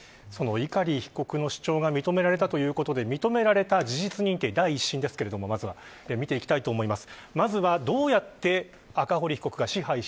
碇被告の主張が認められたということで認められた事実認定、第一審まずは見ていきたいと思います。